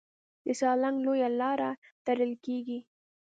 د سالنګ لویه لاره تړل کېږي.